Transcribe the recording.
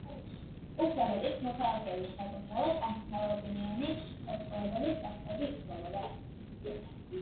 უფრო მეტიც: მოქალაქეების საკუთრებად არც მრავალბინიანი საცხოვრებელი სახლები ითვლებოდა.